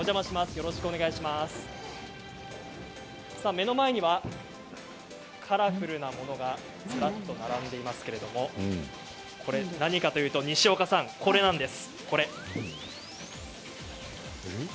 目の前にはカラフルなものがずらっと並んでいますけれどこれ何かというとにしおかさん、こちらです。